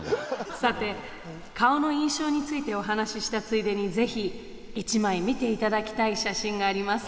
さて顔の印象についてお話ししたついでに是非１枚見ていただきたい写真があります。